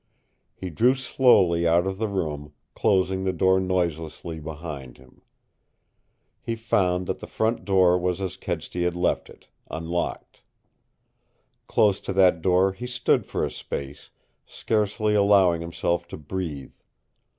He drew slowly out of the room, closing the door noiselessly behind him. He found that the front door was as Kedsty had left it, unlocked. Close to that door he stood for a space, scarcely allowing himself to breathe.